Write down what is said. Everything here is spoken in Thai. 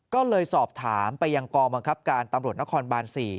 ก็เลยสอบถามไปยังกองบังคับการตำรวจนครบาน๔